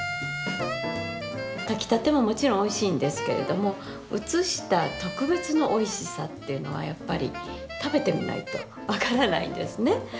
炊きたてももちろんおいしいんですけれども移した特別のおいしさというのはやっぱり食べてみないと分からないんですね。